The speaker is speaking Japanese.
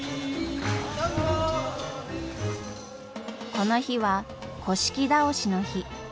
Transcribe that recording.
この日は倒しの日。